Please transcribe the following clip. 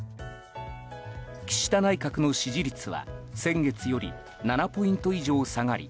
岸田内閣の支持率は先月より７ポイント以上下がり３６．３％。